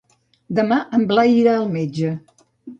Demà en Blai irà al metge.